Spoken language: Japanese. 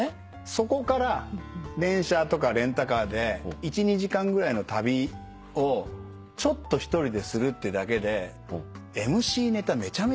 そこから電車とかレンタカーで１２時間ぐらいの旅をちょっと１人でするってだけでＭＣネタめちゃめちゃ拾えるんですよ。